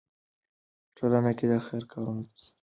په ټولنه کې د خیر کارونه ترسره کړئ.